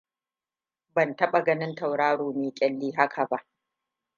Ban taɓa ganin tauraro mai ƙyalli haka ba.